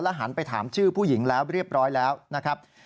หันไปถามชื่อผู้หญิงแล้วเรียบร้อยแล้วนะครับ